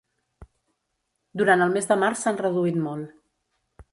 Durant el mes de març s’han reduït molt.